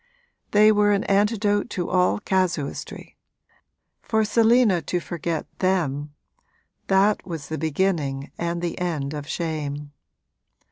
They were an antidote to all casuistry; for Selina to forget them that was the beginning and the end of shame.